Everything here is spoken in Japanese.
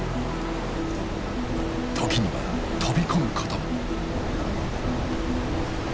時には飛び込むことも。